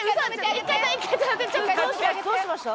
どうしました？